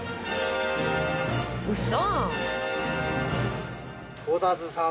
ウソ！